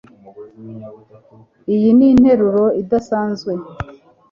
Iyi ninteruro idasanzwe